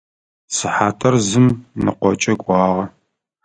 Сыхьатыр зым ныкъокӏэ кӏуагъэ.